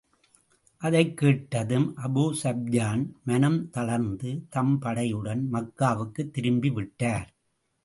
அதைக் கேட்டதும், அபூஸூப்யான் மனம் தளர்ந்து, தம் படையுடன் மக்காவுக்குத் திரும்பி விட்டார்.